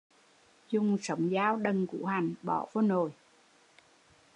Dùng sổng dao đần củ hành, bỏ vô nồi